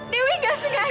dewi nggak sengaja